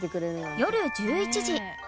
夜１１時。